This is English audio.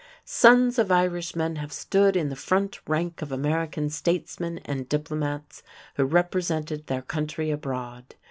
Sons of Irishmen have stood in the front rank of American statesmen and diplomats who represented their country abroad.